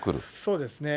そうですね。